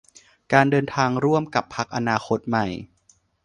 การเดินทางร่วมกับพรรคอนาคตใหม่